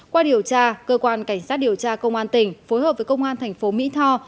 qua điều tra cơ quan cảnh sát điều tra công an tỉnh phối hợp với công an thành phố mỹ tho